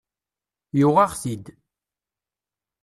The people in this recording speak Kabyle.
Yuɣ-aɣ-t-id.